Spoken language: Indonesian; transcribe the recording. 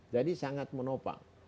jadi sangat menopang